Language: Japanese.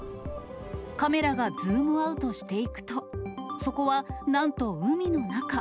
カメラがズームアウトしていくと、そこはなんと海の中。